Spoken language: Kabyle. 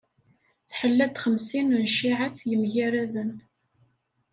Tḥella-d xemsin n cciεat yemgaraden.